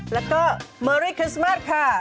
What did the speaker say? แล้วก็มีคริสต์มาสค่ะ